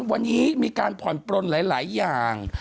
วันนี้มีการผ่อนปลนหลายอย่าง